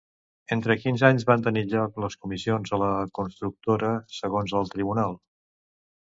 Entre quins anys van tenir lloc les comissions a la constructora, segons el tribunal?